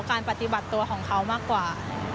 การปฏิบัติตัวของเขามากกว่า